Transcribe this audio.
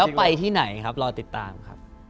แล้วไปที่ไหนครับรอติดตามครับ